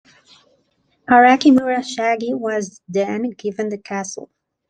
Araki Murashige was then given the castle.